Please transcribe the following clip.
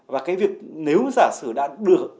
và cái việc nếu giả sử đã được